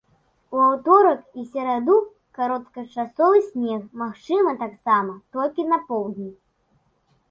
У аўторак і сераду кароткачасовы снег магчымы таксама толькі на поўдні.